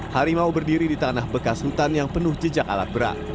harimau berdiri di tanah bekas hutan yang penuh jejak alat berat